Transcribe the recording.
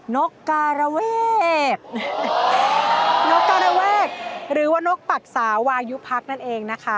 นกกาลเวศหรือว่านกปักษาวายุพักษ์นั่นเองนะคะ